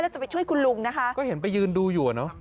จะไปช่วยคุณลุงนะคะก็เห็นไปยืนดูอยู่อ่ะเนอะ